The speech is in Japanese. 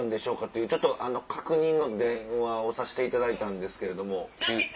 というちょっと確認の電話をさせていただいたんですけれども。